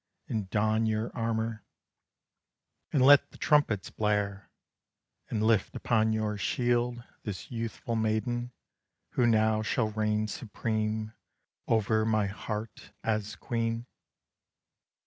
and don your armor, And let the trumpets blare, And lift upon your shield This youthful maiden Who now shall reign supreme Over my heart, as queen!